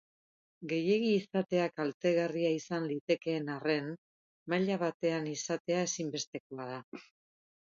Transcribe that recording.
Gehiegi izatea kaletgarria izan litekeen arren, maila batean izatea ezinbestekoa da.